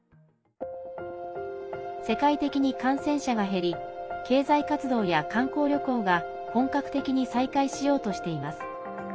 世界的に感染者が減り経済活動や観光旅行が本格的に再開しようとしています。